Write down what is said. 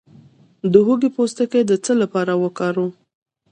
د هوږې پوستکی د څه لپاره وکاروم؟